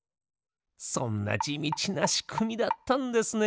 そんなじみちなしくみだったんですね。